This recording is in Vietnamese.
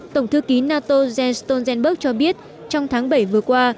tổng thư ký nato jens stoltenberg cho biết trong tháng bảy vừa qua